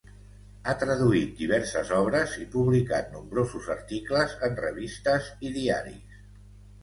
Ha traduït diverses obres i publicat nombrosos articles en revistes i diaris.